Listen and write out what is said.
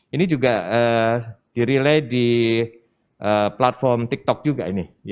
ini juga dirilai di platform tiktok juga ini